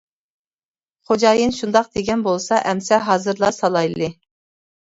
خوجايىن شۇنداق دېگەن بولسا ئەمسە ھازىرلا سالايلى.